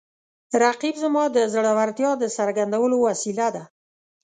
رقیب زما د زړورتیا د څرګندولو وسیله ده